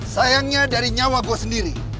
sayangnya dari nyawa gue sendiri